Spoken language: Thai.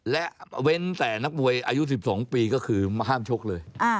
และเว้นแต่นักมวยอายุ๑๒ปีก็คือมาห้ามชกเลย